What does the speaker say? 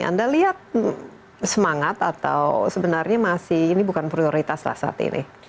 anda lihat semangat atau sebenarnya masih ini bukan prioritas lah saat ini